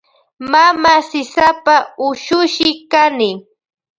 Mama sisapa ushushi kani.